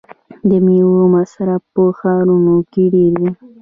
د میوو مصرف په ښارونو کې ډیر دی.